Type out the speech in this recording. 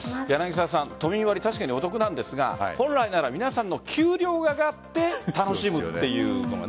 都民割、確かにお得なんですが本来なら皆さんの給料が上がって楽しむっていうのが。